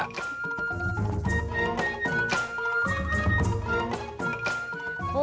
kamu mau ke rumah